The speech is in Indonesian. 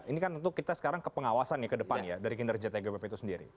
ini kan tentu kita sekarang ke pengawasan ya ke depan ya dari kinerja tgpp itu sendiri